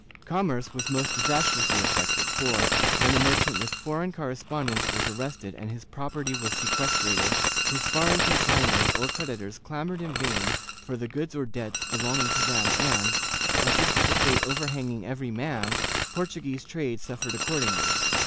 Commerce was most disas trously affected for, when a merchant with foreign correspondents was arrested and his property was sequestrated, his foreign con signors or creditors clamored in vain for the goods or debts belong ing to them and, as this was a fate overhanging every man, Portu guese trade suffered accordingly.